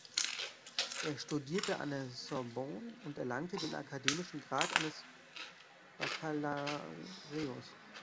Er studierte an der Sorbonne und erlangte den akademischen Grad eines Baccalaureus.